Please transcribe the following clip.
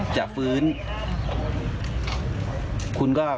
จะฟื้นได้เองนะครับ